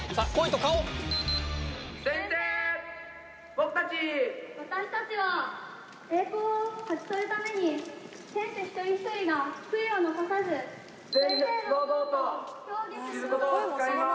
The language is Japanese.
・・僕たち・・私たちは・・栄光を勝ち取るために選手一人一人が悔いを残さず正々堂々と競技することを誓います